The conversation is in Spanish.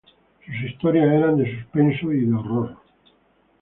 Sus historias eran de suspenso y de horror.